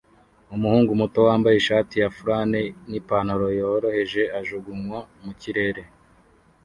Umuhungu muto wambaye ishati ya flannel nipantaro yoroheje ajugunywa mu kirere